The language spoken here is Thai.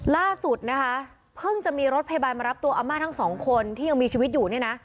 ล่าสุดนะคะเพิ่งจะมีรถพยาบาลมารับตัวอาม่าทั้งสองคนที่ยังมีชีวิตอยู่เนี่ยนะ